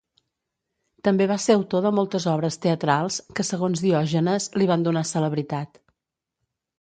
També va ser autor de moltes obres teatrals que, segons Diògenes, li van donar celebritat.